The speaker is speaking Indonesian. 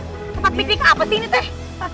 tempat piknik apa sih ini teh